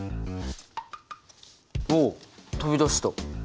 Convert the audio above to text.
おお飛び出した！